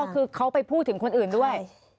คือเขาไปพูดถึงคนอื่นด้วย